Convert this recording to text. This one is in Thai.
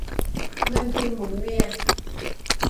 เงินทุนหมุนเวียน